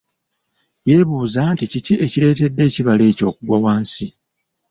Yebuuza nti ki ekireetedde ekibala ekyo okugwa wansi.